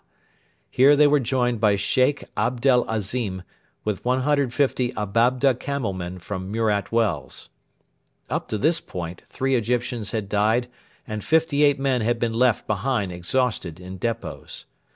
Here they were joined by Sheikh Abdel Azim with 150 Ababda camel men from Murat Wells. Up to this point three Egyptians had died and fifty eight men had been left behind exhausted in depots.